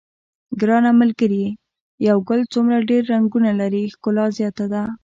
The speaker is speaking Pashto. ګرانه ملګریه یو ګل څومره ډېر رنګونه لري ښکلا زیاته ده.